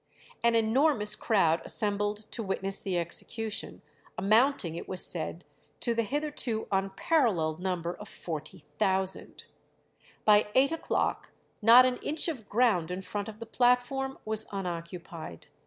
An enormous crowd assembled to witness the execution, amounting, it was said, to the hitherto unparalleled number of 40,000. By eight o'clock not an inch of ground in front of the platform was unoccupied.